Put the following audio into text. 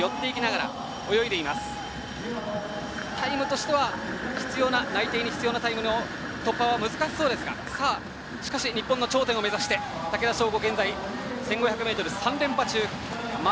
タイムとしては内定に必要なタイム突破は難しそうですが日本の頂点を目指して竹田渉瑚現在１５００ｍ３連覇中。